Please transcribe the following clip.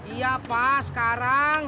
iya pak sekarang